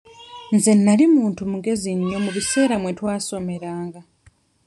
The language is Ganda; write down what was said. Nze nali muntu mugezi nnyo mu biseera mwe twasomeranga.